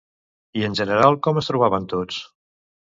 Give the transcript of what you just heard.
I en general com es trobaven tots?